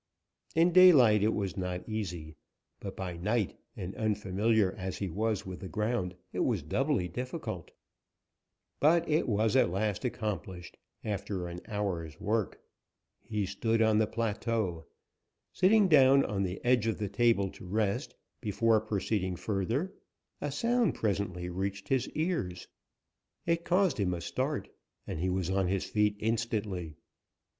In daylight, it was not easy, but by night, and unfamiliar as he was with the ground, it was doubly difficult. But it was at last accomplished, after an hour's work. He stood on the plateau. Sitting down on the edge of the table to rest, before proceeding further, a sound presently reached his ears. It caused him a start, and he was on his feet instantly.